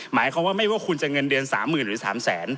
หมายความว่าไม่ว่าคุณจะเงินเดือน๓๐๐๐หรือ๓แสน